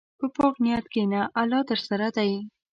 په پاک نیت کښېنه، الله درسره دی.